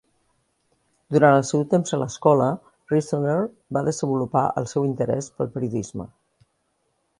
Durant el seu temps a l'escola, Reasoner va desenvolupar el seu interès pel periodisme.